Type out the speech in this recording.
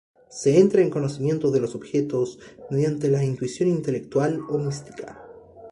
Se entra en conocimiento de los objetos mediante la intuición intelectual o mística.